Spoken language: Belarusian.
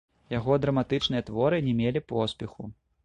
Яго драматычныя творы не мелі поспеху.